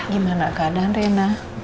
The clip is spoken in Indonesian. gimana keadaan rena